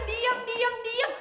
diam diam diam